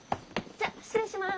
じゃ失礼します。